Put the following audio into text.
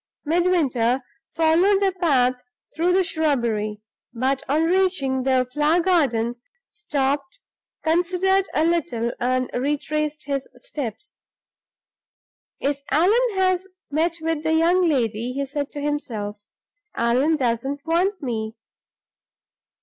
Midwinter followed the path through the shrubbery, but, on reaching the flower garden, stopped, considered a little, and retraced his steps. "If Allan has met with the young lady," he said to himself, "Allan doesn't want me."